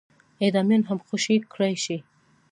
اعدامیان هم خوشي کړای شي.